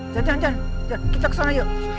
jalan jalan kita kesana yuk